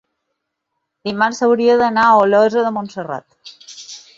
dimarts hauria d'anar a Olesa de Montserrat.